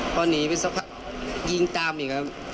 พอหนีไปสักพักยิงตามอีกครับ